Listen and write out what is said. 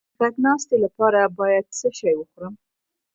د غږ د ناستې لپاره باید څه شی وخورم؟